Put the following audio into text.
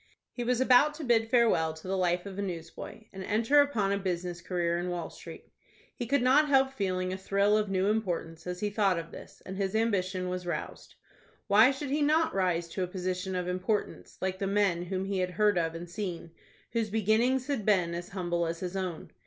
He was about to bid farewell to the life of a newsboy, and enter upon a business career in Wall Street. He could not help feeling a thrill of new importance as he thought of this, and his ambition was roused. Why should he not rise to a position of importance like the men whom he had heard of and seen, whose beginnings had been as humble as his own?